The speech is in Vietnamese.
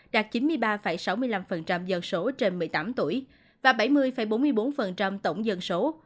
đạt chín mươi ba sáu mươi năm dân số trên một mươi tám tuổi và bảy mươi bốn mươi bốn tổng dân số